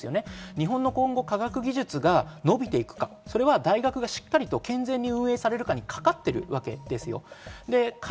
日本の今後、科学技術が伸びていくか、それは大学が健全にしっかり運営されるかにかかってるわけです。